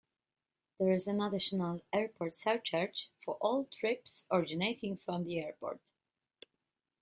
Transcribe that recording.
There is an additional airport surcharge for all trips originating from the airport.